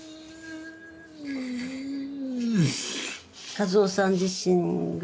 「一男さん自身が」